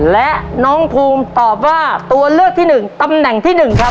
และน้องภูมิตอบว่าตัวเลือกที่๑ตำแหน่งที่๑ครับ